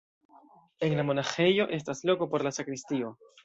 En la monaĥejo estas loko por la sakristio.